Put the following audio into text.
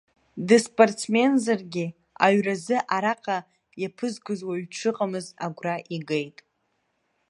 Дспортсменӡамзаргьы, аҩразы араҟа иаԥызгоз уаҩ дшыҟамыз агәра игеит.